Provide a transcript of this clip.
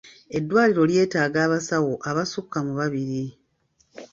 Eddwaliro lyetaaga abasawo abasukka mu babiri.